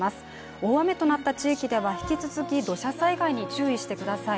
大雨となった地域では引き続き土砂災害に注意してください。